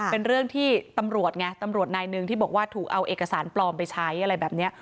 เป็นเรื่องที่ตำรวจไงตำรวจนายหนึ่งที่บอกว่าถูกเอาเอกสารปลอมไปใช้อะไรแบบนี้